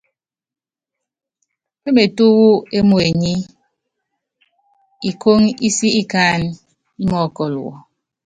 Pémetú wú émuenyí, ikóŋó ísi ikáanɛ́ ímɔɔ́kɔl wɔ.